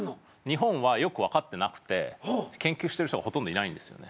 日本はよく分かってなくて研究してる人がほとんどいないんですよね。